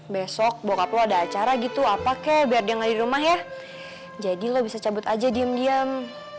besok buat aku ada acara gitu apa kek biar dia nggak di rumah ya jadi lo bisa cabut aja diam diam